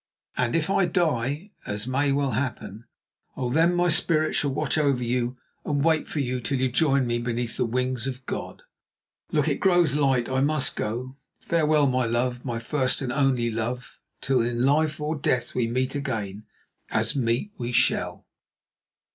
And if I die, as may well happen, oh! then my spirit shall watch over you and wait for you till you join me beneath the wings of God. Look, it grows light. I must go. Farewell, my love, my first and only love, till in life or death we meet again, as meet we shall."